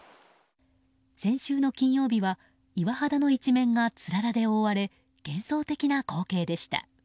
先週の金曜日は岩肌の一面がつららで覆われ幻想的な光景でした。